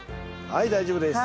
はい大丈夫です。